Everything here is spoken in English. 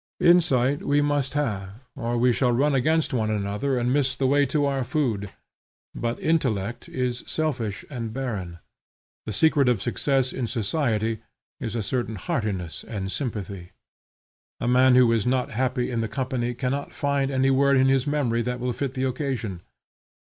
Insight we must have, or we shall run against one another and miss the way to our food; but intellect is selfish and barren. The secret of success in society is a certain heartiness and sympathy. A man who is not happy in the company cannot find any word in his memory that will fit the occasion.